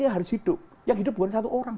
dia harus hidup yang hidup bukan satu orang